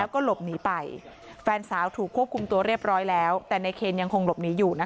ครับ